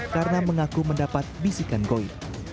karena mengaku mendapat bisikan goit